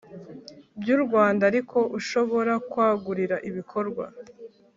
bw u Rwanda ariko ushobora kwagurira ibikorwa